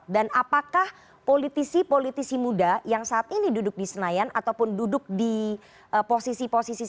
dan apakah politisi politisi muda yang saat ini duduk di senayan ataupun duduk di posisi posisi senayan